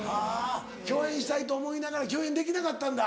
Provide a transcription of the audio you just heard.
共演したいと思いながら共演できなかったんだ。